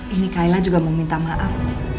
ini kayla juga mau minta maaf